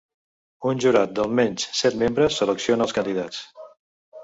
Un jurat d'almenys set membres selecciona els candidats.